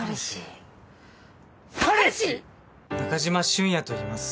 中島俊也といいます。